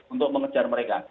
untuk mengejar mereka